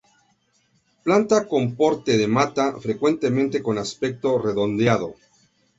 Planta con porte de mata, frecuentemente con aspecto redondeado.